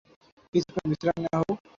কিছুক্ষণ বিশ্রাম নেওয়া যাক!